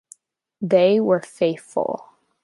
They were faithful.